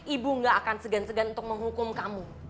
ibu gak akan segan segan untuk menghukum kamu